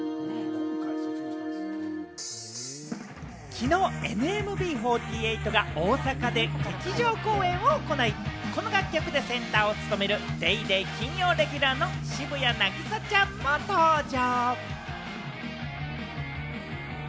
きのう、ＮＭＢ４８が大阪で劇場公演を行い、この楽曲でセンターを務める『ＤａｙＤａｙ．』金曜レギュラーの渋谷凪咲ちゃんも登場。